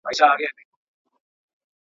خبرې کول تاوتریخوالی کموي